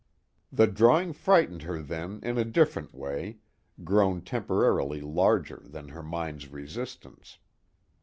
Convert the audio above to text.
The drawing frightened her then in a different way, grown temporarily larger than her mind's resistance.